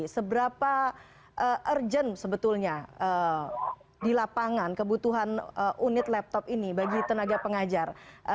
seberapa urgent sebetulnya di lapangan kebutuhan unit laptop ini bagi tenaga pengajar